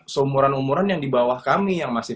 seumuran umuran yang di bawah kami yang masih